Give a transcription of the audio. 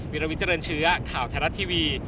วิราวิทย์เจริญเชื้อข่าวแทนรัฐทีวี